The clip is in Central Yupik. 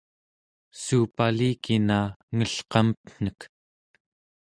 suupalikina engelqamten̄ek